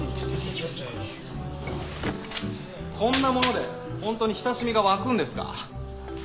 こんなものでほんとに親しみが湧くんですか？